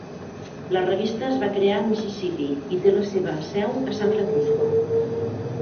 La revista es va crear a Mississippi i té la seva seu a San Francisco.